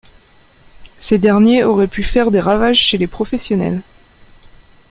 Ces derniers auraient pu faire des ravages chez les professionnels.